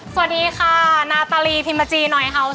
สวัสดีค่ะนาตาลีพิมพาจีหนอยเฮาส์